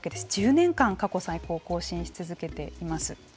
１０年間過去最高を更新し続けています。